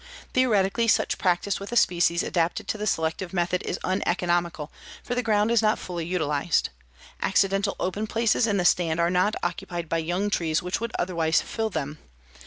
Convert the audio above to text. Theoretically, such practice with a species adapted to the selective method is uneconomical, for the ground is not fully utilized. Accidental open places in the stand are not occupied by young trees which would otherwise fill them.